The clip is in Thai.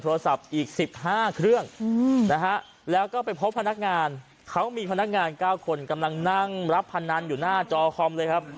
โทรศัพท์อีกสิบห้าเครื่องอืมนะฮะแล้วก็ไปพบพนักงานเขามีพนักงานเก้าคนกำลังนั่งรับพนันอยู่หน้าจอคอมเลยครับ